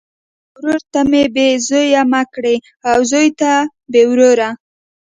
خدایه ورور ته مي بې زویه مه کړې او زوی ته بې وروره!